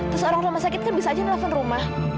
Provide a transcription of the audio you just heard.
terus orang rumah sakit kan bisa aja nelfon rumah